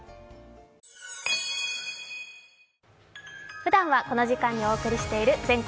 ふだんはこの時間にお送りしている「全国！